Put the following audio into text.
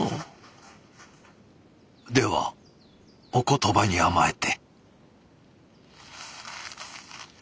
ではお言葉に甘えて。